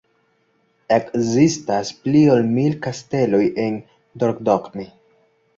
Ekzistas pli ol mil kasteloj en Dordogne.